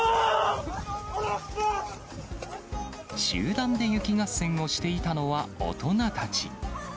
集団で雪合戦をしていたのは大人たち。